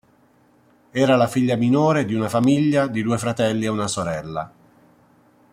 Era la figlia minore di una famiglia di due fratelli e una sorella.